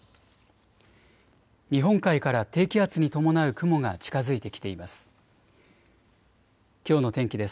日本海から低気圧に伴う雲が近づいてきています。